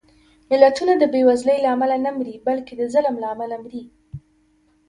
ملتونه د بېوزلۍ له امله نه مري، بلکې د ظلم له امله مري